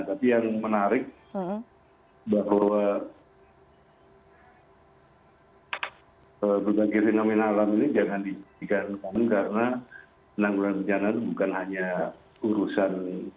tapi yang menarik bahwa berbagai fenomena alam ini jangan dijadikan karena penanggulan bencana itu bukan hanya urusan